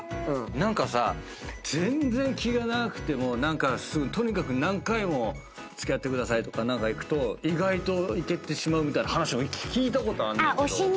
何かさ全然気がなくてもとにかく何回も付き合ってくださいとかいくと意外といけてしまうみたいな話聞いたことあんねんけど。